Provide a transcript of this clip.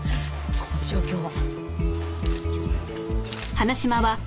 この状況は？